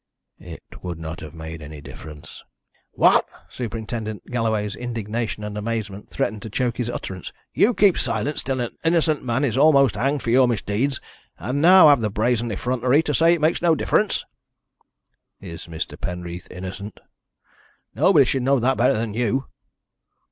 "It would not have made any difference." "What!" Superintendent Galloway's indignation and amazement threatened to choke his utterance. "You keep silence till an innocent man is almost hanged for your misdeeds, and now have the brazen effrontery to say it makes no difference." "Is Mr. Penreath innocent?" "Nobody should know that better than you."